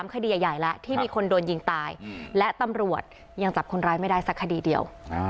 คดีใหญ่แล้วที่มีคนโดนยิงตายและตำรวจยังจับคนร้ายไม่ได้สักคดีเดียว